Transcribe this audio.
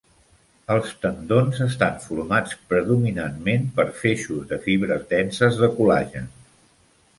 Els tendons estan formats predominantment per feixos de fibres denses de col·lagen.